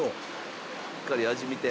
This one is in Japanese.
しっかり味見て。